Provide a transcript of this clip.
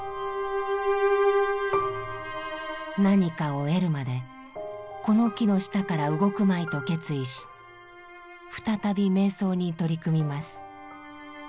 何かを得るまでこの木の下から動くまいと決意し再び瞑想に取り組みます。